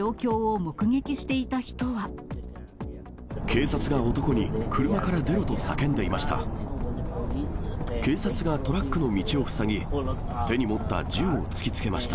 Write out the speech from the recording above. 警察が男に、車から出ろと叫んでいました。